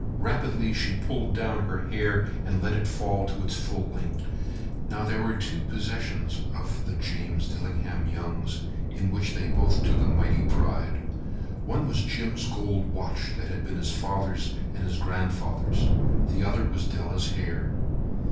Rapidly she pulled down her hair and let it fall to its full length. Now, there were two possessions of the James Dillingham Youngs in which they both took a mighty pride. One was Jim's gold watch that had been his father's and his grandfather's. The other was Della's hair.